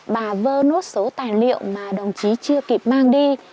bà vơ nốt số tài liệu mà đồng chí chưa kịp mang đi